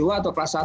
atau kelas satu